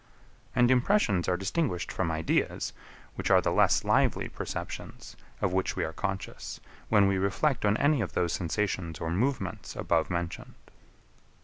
And impressions are distinguished from ideas, which are the less lively perceptions, of which we are conscious, when we reflect on any of those sensations or movements above mentioned.